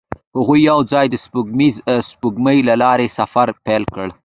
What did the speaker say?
هغوی یوځای د سپوږمیز سپوږمۍ له لارې سفر پیل کړ.